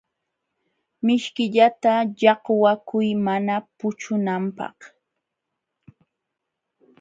Mishkillata llaqwakuy mana puchunanpaq.